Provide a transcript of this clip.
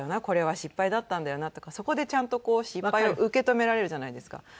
これは失敗だったんだよなとかそこでちゃんとこう失敗を受け止められるじゃないですか。